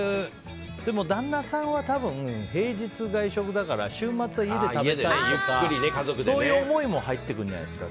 でも、旦那さんは多分平日、外食だから週末は家で食べたいとかそういう思いも入ってくるんじゃないですか。